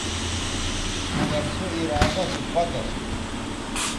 مگر سو ارادہ سو پَک اسو